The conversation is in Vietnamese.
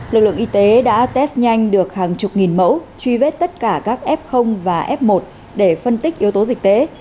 lực lượng y tế đã test nhanh được hàng chục nghìn mẫu truy vết tất cả các f và f một để phân tích yếu tố dịch tế